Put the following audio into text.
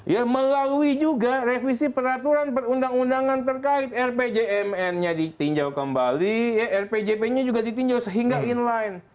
ya melalui juga revisi peraturan perundang undangan terkait rpjmn nya ditinjau kembali rpjp nya juga ditinjau sehingga inline